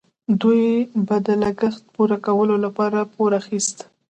دوی به د لګښت پوره کولو لپاره پور اخیست.